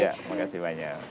iya terima kasih banyak